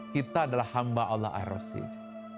kita adalah hamba allah ar rasij